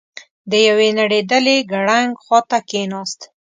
د يوې نړېدلې ګړنګ خواته کېناست.